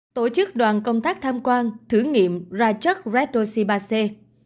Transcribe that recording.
tổ chức đoàn công tác tham quan thử nghiệm ra chất red losibase